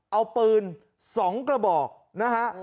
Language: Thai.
เอาปืน๒กระบอกนะฮะ